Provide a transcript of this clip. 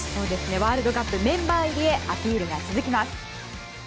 ワールドカップメンバー入りへアピールが続きます。